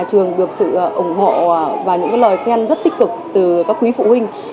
trường được sự ủng hộ và những lời khen rất tích cực từ các quý phụ huynh